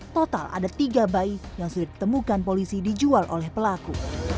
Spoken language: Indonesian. total ada tiga bayi yang sudah ditemukan polisi dijual oleh pelaku